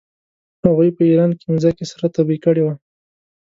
هغوی په ایران کې مځکه سره تبې کړې وه.